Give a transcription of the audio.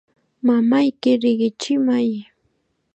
Mamayki riqichimay.